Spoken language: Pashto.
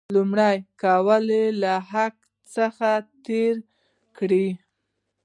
لومړی ګلوله له حلقې څخه تیره کړئ.